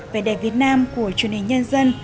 về đẹp việt nam của truyền hình nhân dân